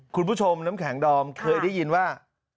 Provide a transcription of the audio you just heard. คุณผู้ชมน้ำแข็งดอมเคยได้ยินว่า